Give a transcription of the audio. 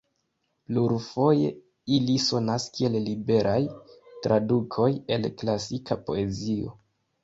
Plurfoje ili sonas kiel liberaj tradukoj el klasika poezio.